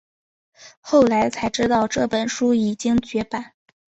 后来才知道这本书已经绝版